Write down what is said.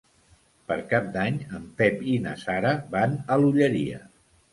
Per Cap d'Any en Pep i na Sara van a l'Olleria.